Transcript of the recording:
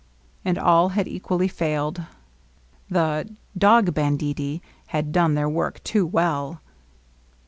And all had equally failed. The ^Mog banditti " had done their work too well.